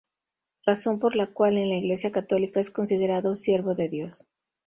Razón por la cual, en la Iglesia católica es considerado siervo de Dios.